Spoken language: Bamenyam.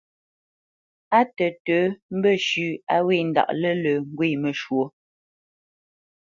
Á tətə̌ mbəshʉ̂ a wě ndaʼ lə̂lə̄ ŋgwě məshwǒ.